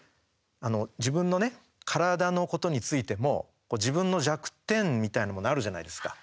自分のね、体のことについても自分の弱点みたいなものあるじゃないですか。